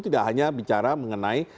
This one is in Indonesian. tidak hanya bicara mengenai